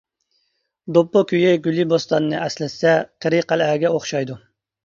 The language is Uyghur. دوپپا كۈيى گۈلى بوستاننى ئەسلەتسە، قىرى قەلئەگە ئوخشايدۇ.